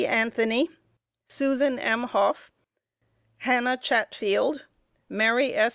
Anthony, Susan M. Hough, Hannah Chatfield, Mary S.